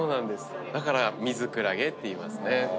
だからミズクラゲっていいますね。